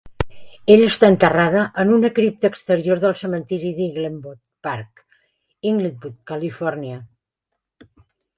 Ella està enterrada en una cripta exterior del Cementiri d'Inglewood Park, Inglewood, Califòrnia.